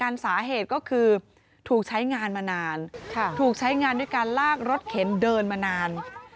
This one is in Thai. สาเหตุก็คือถูกใช้งานมานานถูกใช้งานด้วยการลากรถเข็นเดินมานาน